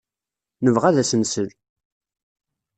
Nebɣa ad as-nsel.